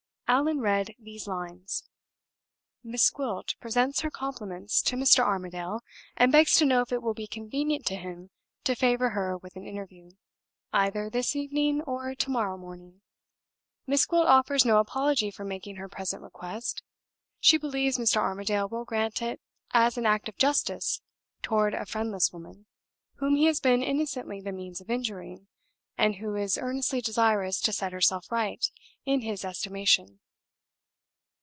Allan read these lines: "Miss Gwilt presents her compliments to Mr. Armadale and begs to know if it will be convenient to him to favor her with an interview, either this evening or to morrow morning. Miss Gwilt offers no apology for making her present request. She believes Mr. Armadale will grant it as an act of justice toward a friendless woman whom he has been innocently the means of injuring, and who is earnestly desirous to set herself right in his estimation."